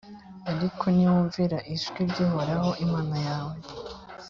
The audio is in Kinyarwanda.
ariko niwumvira ijwi ry’uhoraho imana yawe,